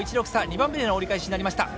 ２番目の折り返しになりました。